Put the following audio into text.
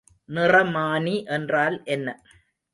நிறமானி என்றால் என்ன?